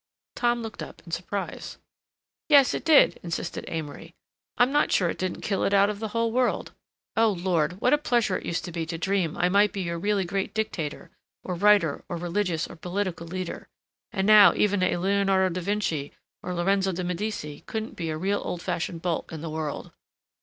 Tom looked up in surprise. "Yes it did," insisted Amory. "I'm not sure it didn't kill it out of the whole world. Oh, Lord, what a pleasure it used to be to dream I might be a really great dictator or writer or religious or political leader—and now even a Leonardo da Vinci or Lorenzo de Medici couldn't be a real old fashioned bolt in the world.